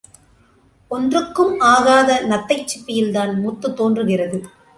ஒன்றுக்கும் ஆகாத நத்தைச் சிப்பியில்தான் முத்து தோன்றுகிறது.